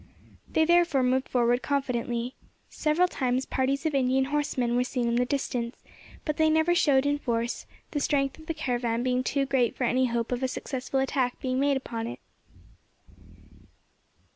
They therefore moved forward confidently. Several times parties of Indian horsemen were seen in the distance, but they never showed in force, the strength of the caravan being too great for any hope of a successful attack being made upon it.